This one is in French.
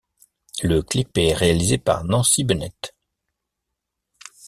Le clip est réalisé par Nancy Bennett.